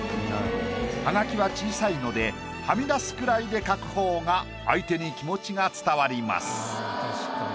ハガキは小さいのではみ出すくらいで描く方が相手に気持ちが伝わります。